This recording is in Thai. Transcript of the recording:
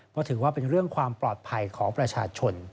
เพราะถือว่าเป็นเรื่องความปลอดภัยของประชาชน